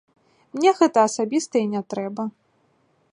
Мне гэта асабіста і не трэба.